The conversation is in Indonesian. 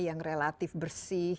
yang relatif bersih